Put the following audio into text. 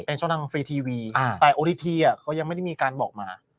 เป็นช่องทางฟรีทีวีแต่โอลิทีเขายังไม่ได้มีการบอกมา